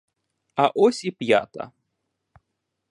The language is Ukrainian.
А ось і п'ята!